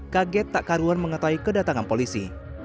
kaget tak karuan mengetahui kedatangan polisi